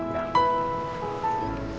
gak ada yang diperlukan